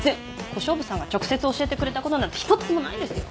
小勝負さんが直接教えてくれたことなんて一つもないですよ。